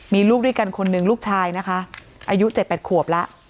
มีลูกด้วยกันคนหนึ่งลูกชายนะคะอายุเจ็ดแปดขวบละ